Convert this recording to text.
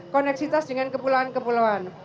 koneksitas dengan kepulauan kepulauan